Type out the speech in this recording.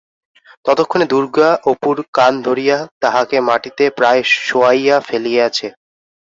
ততক্ষণে দুর্গা অপুর কান ধরিয়া তাহাকে মাটিতে প্রায় শোয়াইয়া ফেলিয়াছে।